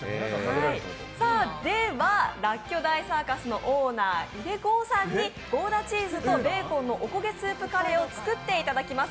ではらっきょ大サーカスのオーナー井手剛さんにゴーダチーズとベーコンのおこげスープカレーを作っていただきます。